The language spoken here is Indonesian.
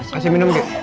kasih minum g